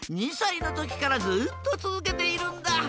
２さいのときからずっとつづけているんだ。